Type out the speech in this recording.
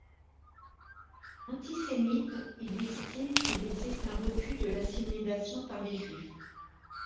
Antisémite, il estime qu'il existe un refus de l'assimilation par les Juifs.